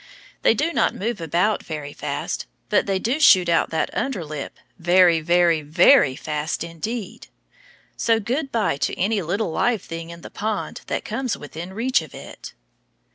They do not move about very fast, but they do shoot out that under lip very, very, very fast indeed, so good by to any little live thing in the pond that comes within reach of it.